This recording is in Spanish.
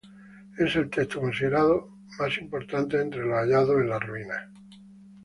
Es el texto considerado más importantes entre los hallados en las ruinas.